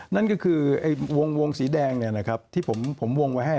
นั่นก็คือไอ้วงวงสีแดงเนี่ยนะครับที่ผมผมวงไว้ให้